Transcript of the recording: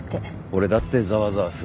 俺だってざわざわする。